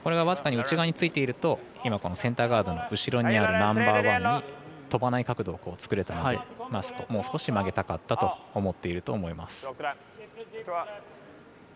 僅かに内側についているとセンターガードの後ろにあるナンバーワンにとばない角度を作れたのでもう少し曲げたかったと思っていると思います。